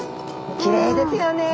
きれいですよね。